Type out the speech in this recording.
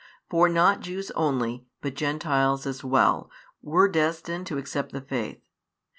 For not Jews only, but Gentiles as well, were destined to accept the faith.